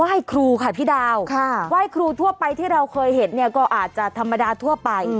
ครูค่ะพี่ดาวไหว้ครูทั่วไปที่เราเคยเห็นเนี่ยก็อาจจะธรรมดาทั่วไป